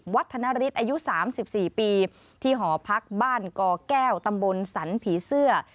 ธนฤทธิ์อายุ๓๔ปีที่หอพักบ้านกอแก้วตำบลสันผีเสื้อ